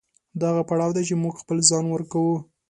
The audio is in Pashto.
دا هغه پړاو دی چې موږ خپل ځان ورکوو.